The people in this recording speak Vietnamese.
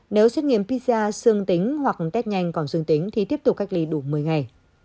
nếu xét nghiệm pisa xương tính hoặc test nhanh còn dương tính thì tiếp tục cách ly đủ một mươi ngày